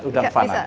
ya udang vanak